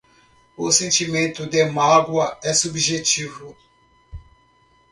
O sentimento de mágoa é subjetivo